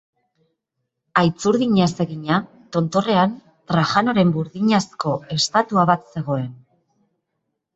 Haitzurdinez egina, tontorrean, Trajanoren burdinazko estatua bat zegoen.